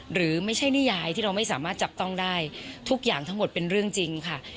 หรือไม่ใช่นิยายที่เราไม่สามารถจับต้องได้ทุกอย่างทั้งหมดเป็นเรื่องจริงค่ะ